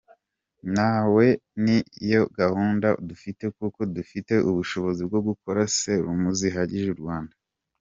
Natwe ni yo gahunda dufite, kuko dufite ubushobozi bwo gukora Serumu zihagije u Rwanda.